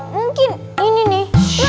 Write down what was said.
mungkin ini nih